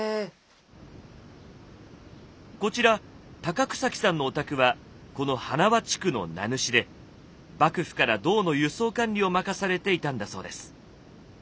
こちら草木さんのお宅はこの花輪地区の名主で幕府から銅の輸送管理を任されていたんだそうです。